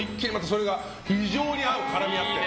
それが非常に合う、絡み合って。